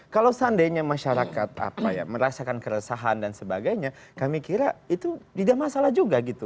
kalau seandainya masyarakat merasakan keresahan dan sebagainya kami kira itu tidak masalah juga gitu